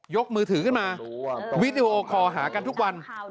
กมือถือขึ้นมาวิดีโอคอลหากันทุกวัน